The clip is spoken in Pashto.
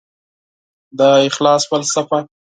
د اخلاص فلسفه